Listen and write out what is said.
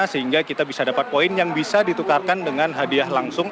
sehingga kita bisa dapat poin yang bisa ditukarkan dengan hadiah langsung